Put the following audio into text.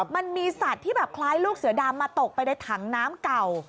มันมีสัตว์ที่แบบคล้ายลูกเสือดำมาตกไปในถังน้ำเก่า